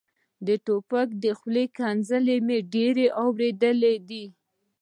د ټوپک د خولې ښکنځلې مې ډېرې اورېدلې دي.